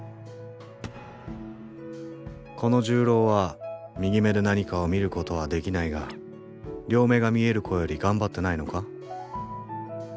この重郎は右目で何かを見ることはできないが両目が見える子より頑張ってないのか？